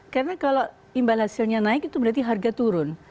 karena kalau imbalan hasilnya naik itu berarti harga turun